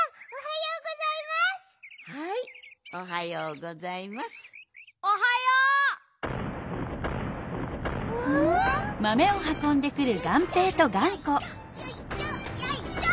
よいしょ！